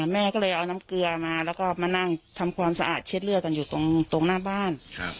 แม่ก็เลยเอาน้ำเกลือมาแล้วก็มานั่งทำความสะอาดเช็ดเลือดกันอยู่ตรงหน้าบ้าน